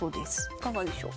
いかがでしょう？